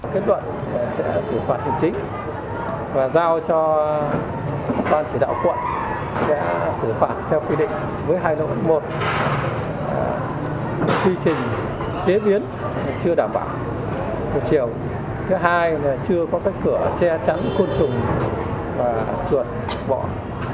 kết quả đều âm tính với methanol tuy nhiên quy trình chế biến thực phẩm tại đây chưa đảm bảo an toàn vệ sinh thực phẩm